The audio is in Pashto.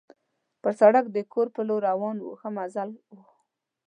پر سړک د کور په لور روان وو، ښه مزل وو.